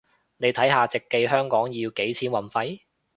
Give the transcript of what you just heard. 你睇下直寄香港要幾錢運費